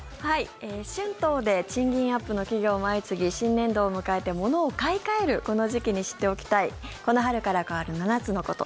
春闘で賃金アップの企業も相次ぎ新年度を迎えて物を買い替えるこの時期に知っておきたいこの春から変わる７つのこと。